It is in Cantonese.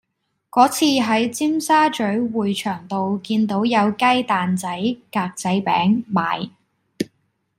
嗰次喺尖沙咀匯翔道見到有雞蛋仔格仔餅賣